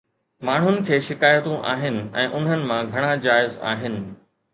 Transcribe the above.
ماڻهن کي شڪايتون آهن ۽ انهن مان گهڻا جائز آهن.